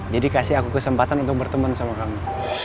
jadi kasih aku kesempatan untuk berteman sama kamu